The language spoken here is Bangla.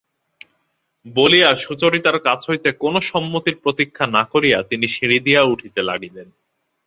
বলিয়া সুচরিতার কাছ হইতে কোনো সম্মতির প্রতীক্ষা না করিয়া তিনি সিঁড়ি দিয়া উঠিতে লাগিলেন।